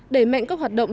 đẩy mạnh các hoạt động